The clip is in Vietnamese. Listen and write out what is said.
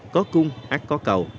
có cung ác có cầu